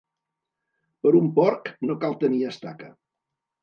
Per un porc no cal tenir estaca.